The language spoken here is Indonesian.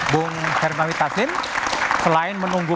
bung hermawithasim selain menunggu